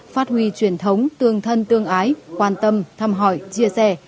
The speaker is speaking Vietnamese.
phát huy truyền thống tương thân tương ái quan tâm thăm hỏi chia sẻ